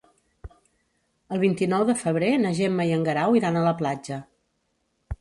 El vint-i-nou de febrer na Gemma i en Guerau iran a la platja.